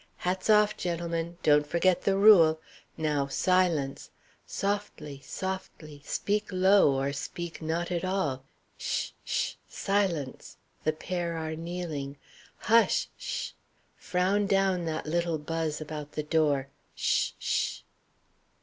"Hats off, gentlemen! Don't forget the rule! Now silence! softly, softly; speak low or speak not at all; sh sh! Silence! The pair are kneeling. Hush sh! Frown down that little buzz about the door! Sh sh!"